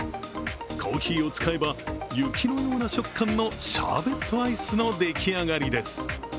コーヒーを使えば雪のような食感のシャーベットアイスの出来上がりです。